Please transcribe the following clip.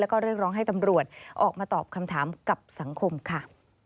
แล้วก็เรียกร้องให้ตำรวจออกมาตอบคำถามกับสังคมค่ะ